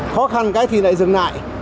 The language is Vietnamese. khó khăn thì lại dừng lại